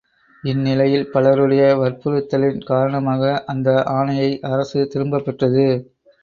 இந்நிலையில் பலருடைய வற்புறுத்தலின் காரணமாக அந்த ஆணையை அரசு திரும்பப்பெற்றது.